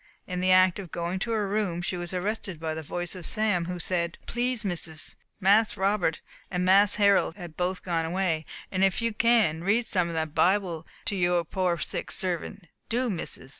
In the act of going to her room, she was arrested by the voice of Sam, who said: "Please, misses, Mas Robert and Mas Harold both gone away; and if you can, read some of the Bible to your poor sick servant do, misses."